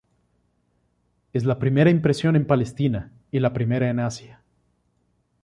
Es la primera impresión en Palestina y la primera en Asia.